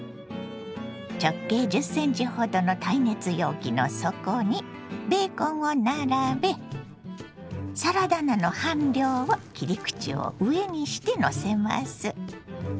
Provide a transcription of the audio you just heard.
直径１０ｃｍほどの耐熱容器の底にベーコンを並べサラダ菜の半量を切り口を上にしてのせます。